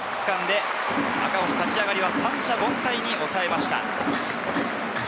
赤星、立ち上がりは三者凡退に抑えました。